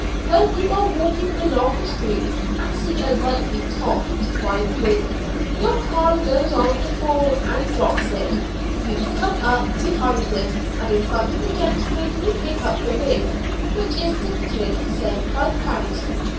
When you are walking along the street and see a likely 'toff' to buy the ring, your 'pal' goes on before and drops it, you come up behind him, and in front of the gentleman you pick up the ring, which is ticketed, say five pounds.